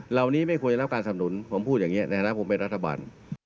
เราไม่ควรจะรับการสำนุนผมพูดอย่างนี้ในฐานะผมเป็นรัฐบาล